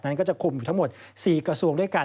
นั้นก็จะคุมอยู่ทั้งหมด๔กระทรวงด้วยกัน